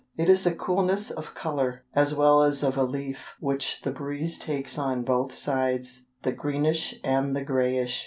It is a coolness of colour, as well as of a leaf which the breeze takes on both sides the greenish and the greyish.